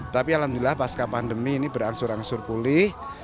tapi alhamdulillah pasca pandemi ini berangsur angsur pulih